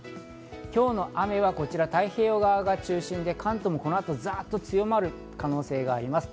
今日の雨はこちら、太平洋側が中心で関東もこの後、ざっと強まる可能性があります。